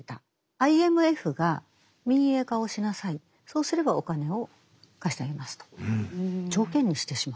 ＩＭＦが民営化をしなさいそうすればお金を貸してあげますと条件にしてしまった。